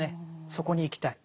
そこに行きたい。